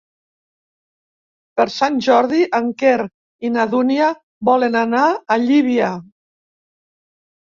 Per Sant Jordi en Quer i na Dúnia volen anar a Llívia.